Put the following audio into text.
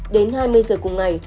đến hai mươi h cùng ngày